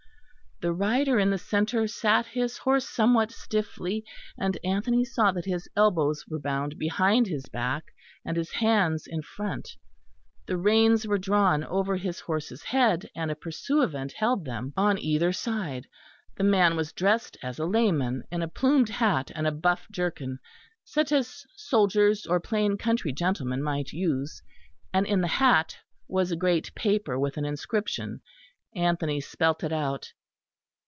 The rider in the centre sat his horse somewhat stiffly, and Anthony saw that his elbows were bound behind his back, and his hands in front; the reins were drawn over his horse's head and a pursuivant held them on either side. The man was dressed as a layman, in a plumed hat and a buff jerkin, such as soldiers or plain country gentlemen might use; and in the hat was a great paper with an inscription. Anthony spelt it out.